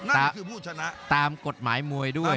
นั้นคือผู้ชนะตามกฎหมายมวยด้วย